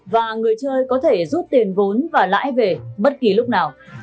và người chơi có thể rút tiền vốn và lãi về bất kỳ lúc nào